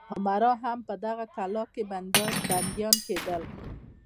امرا هم په دغه کلا کې بندیان کېدل.